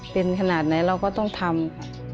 เป็นขนาดไหนเราก็ต้องทำค่ะ